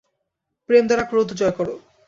প্রেম দ্বারা ক্রোধ জয় কর।